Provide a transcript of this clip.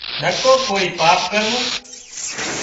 نڪو ڪوئي پاپ ڪرون